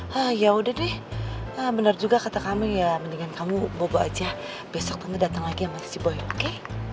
hah ya udah deh bener juga kata kami ya mendingan kamu bobo aja besok tante dateng lagi sama si boy oke